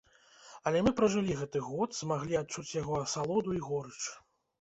Але мы пражылі гэты год, змаглі адчуць яго асалоду і горыч.